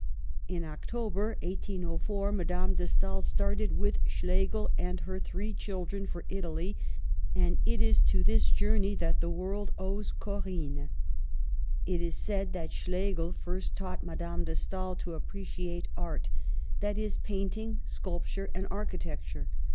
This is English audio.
In October, 1804, Madame de Stael started with Schlegel and her three children for Italy, and it is to this journey that the world owes Corinne. It is said that Schlegel first taught Madame de Stael to appreciate art — that is, painting, sculpture, and architecture.